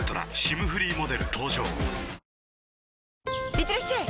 いってらっしゃい！